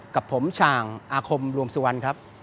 กับผมชางอาคมรวมศัวร์นะครับ